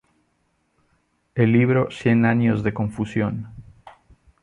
El libro "Cien años de confusión.